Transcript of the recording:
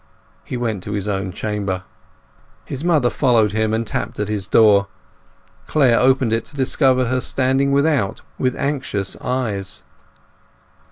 He went to his own chamber. His mother followed him, and tapped at his door. Clare opened it to discover her standing without, with anxious eyes.